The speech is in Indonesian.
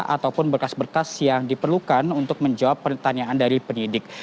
ataupun berkas berkas yang diperlukan untuk menjawab pertanyaan dari penyidik